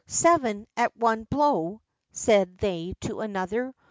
"Seven at one blow!" said they to one another.